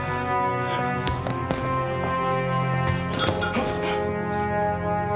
あっ！？